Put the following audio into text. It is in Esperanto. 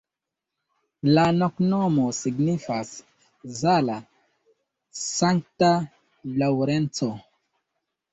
La loknomo signifas: Zala-Sankta Laŭrenco.